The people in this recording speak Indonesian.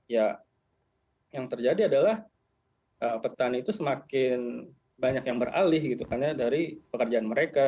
ya yang terjadi adalah petani itu semakin banyak yang beralih gitu kan ya dari pekerjaan mereka